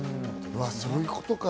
そういうことか。